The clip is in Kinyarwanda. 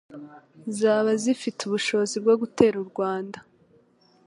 zaba zifite ubushobozi bwo gutera u Rwanda,